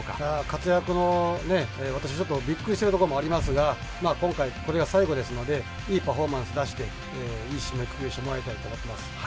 活躍の私、ちょっとびっくりしているところもありますが今回これが最後ですのでいいパフォーマンス出していい締めくくりしてもらいたいと思います。